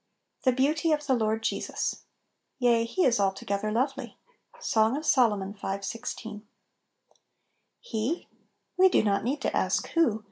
THE BEAUTY OF THE LORD JESUS. "Tea, He is altogether lovely." — Sono of Sol. v. 16. HE ! We do not need to ask " Who